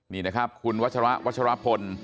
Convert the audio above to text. นี่นะครับคุณวัชระวัชรพล